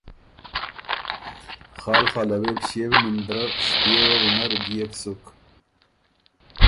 خال خاله وې بو ݭيېو نیم درۀ ݭپيېوه وینر دئېک سُک